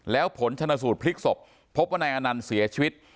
แล้วผลชนสูตรพลิกศพพบว่านายอนันต์เสียชีวิต